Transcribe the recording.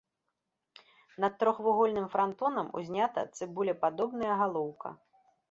Над трохвугольным франтонам узнята цыбулепадобная галоўка.